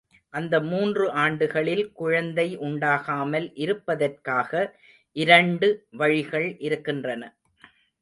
அந்த மூன்று ஆண்டுகளில் குழந்தை உண்டாகாமல் இருப்பதற்காக இரண்டு வழிகள் இருக்கின்றன.